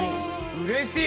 うれしい！